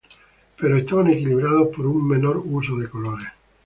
Pero estaban equilibrados por un menor uso de colores.